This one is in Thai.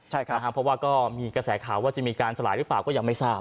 เพราะว่าก็มีกระแสข่าวว่าจะมีการสลายหรือเปล่าก็ยังไม่ทราบ